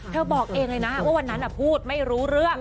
บอกเองเลยนะว่าวันนั้นพูดไม่รู้เรื่อง